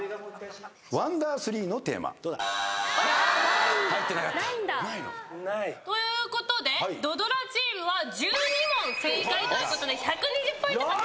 『Ｗ３のテーマ』ないの？ということで土ドラチームは１２問正解ということで１２０ポイント獲得です。